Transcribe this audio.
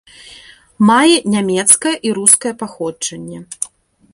Мае нямецкае і рускае паходжанне.